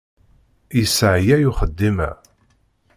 Yesseɛyay uxeddim-a.